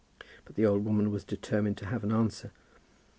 But the old woman was determined to have an answer.